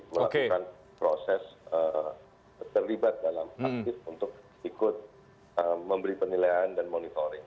melakukan proses terlibat dalam aktivitas untuk ikut